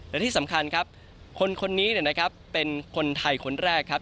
และที่สำคัญครับคนนี้นะครับเป็นคนไทยคนแรกครับ